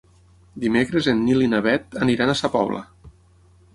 Dimecres en Nil i na Bet aniran a Sa Pobla.